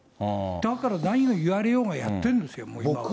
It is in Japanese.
だから何を言われようがやってるんですよ、今。